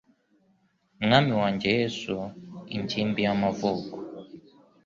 Mwami wanjye Yesu ingimbi y'amavuko